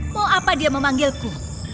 mau apa dia memanggilku